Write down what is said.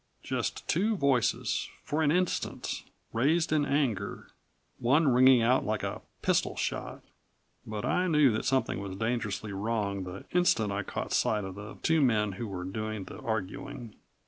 Just two voices for an instant, raised in anger, one ringing out like a pistol shot. But I knew that something was dangerously wrong the instant I caught sight of the two men who were doing the arguing.